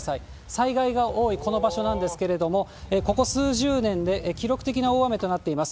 災害が多いこの場所なんですけれども、ここ数十年で記録的な大雨となっています。